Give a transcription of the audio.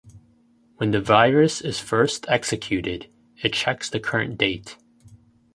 When the virus is first executed, it checks the current date.